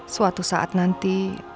suatu saat nanti